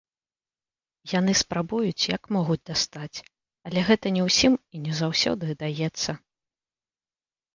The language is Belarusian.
Яны спрабуюць як могуць дастаць, але гэта не ўсім і не заўсёды ўдаецца.